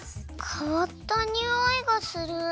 かわったにおいがする。